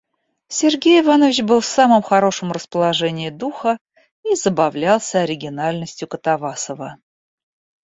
Сергей Иванович был в самом хорошем расположении духа и забавлялся оригинальностью Катавасова.